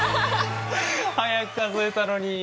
速く数えたのに！